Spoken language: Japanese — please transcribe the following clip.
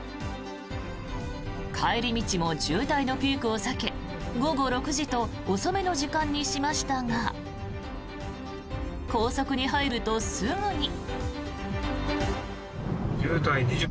帰り道も渋滞のピークを避け午後６時と遅めの時間にしましたが高速に入ると、すぐに。